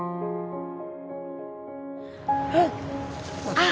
あっ。